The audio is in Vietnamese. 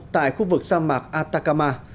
tại khu vực sa mạc atacama